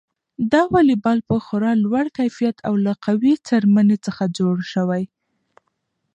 دا واليبال په خورا لوړ کیفیت او له قوي څرمنې څخه جوړ شوی.